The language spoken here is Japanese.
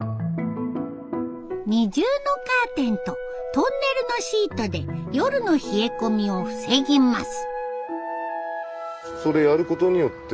２重のカーテンとトンネルのシートで夜の冷え込みを防ぎます。